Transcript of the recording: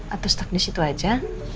atau stuck di situ aja